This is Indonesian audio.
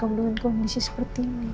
dengan kondisi seperti ini